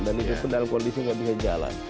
dan itu pun dalam kondisi nggak bisa jalan